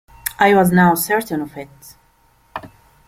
I was now certain of it.